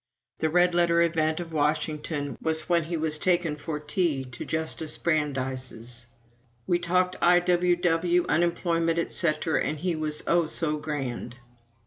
The red letter event of Washington was when he was taken for tea to Justice Brandeis's. "We talked I.W.W., unemployment, etc., and he was oh, so grand!"